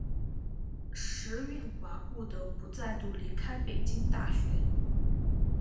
石蕴华不得不再度离开北京大学。